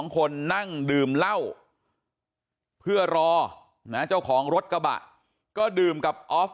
คนนั่งดื่มเหล้าเพื่อรอนะเจ้าของรถกระบะก็ดื่มกับออฟ